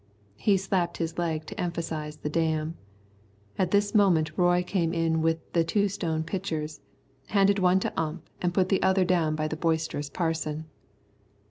He slapped his leg to emphasise the "damn." At this moment Roy came in with the two stone pitchers, handed one to Ump and put the other down by the boisterous Parson.